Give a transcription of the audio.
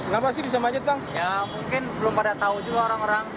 ya mungkin belum pada tahu juga orang orang